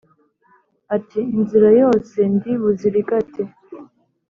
Ati: "Inzira yose ndi buzirigate